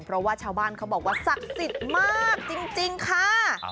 เพราะว่าชาวบ้านเขาบอกว่าศักดิ์สิทธิ์มากจริงค่ะ